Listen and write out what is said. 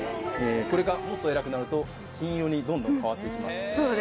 これがもっと偉くなると金色にどんどん変わって行きます。